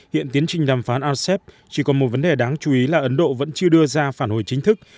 hiện tiến trình đàm phán rcep chỉ còn một vấn đề đáng chú ý là ấn độ vẫn chưa đưa ra phản hồi chính thức